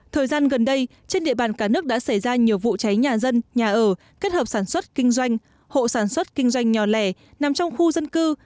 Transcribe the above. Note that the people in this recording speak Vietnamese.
thời gian gần đây trên địa bàn cả nước đã xảy ra nhiều vụ cháy nhà dân nhà ở kết hợp sản xuất kinh doanh hộ sản xuất kinh doanh nhỏ lẻ nằm trong khu dân cư